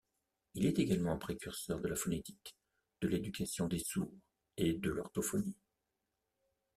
Il est également précurseur de la phonétique, de l'éducation des sourds et de l'orthophonie.